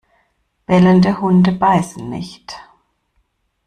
Bellende Hunde beißen nicht!